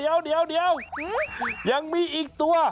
ยังมีอีกตัว